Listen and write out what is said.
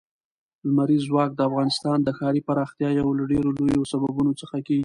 لمریز ځواک د افغانستان د ښاري پراختیا یو له ډېرو لویو سببونو څخه کېږي.